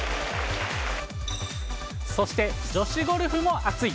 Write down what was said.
そして女子ゴルフも熱い。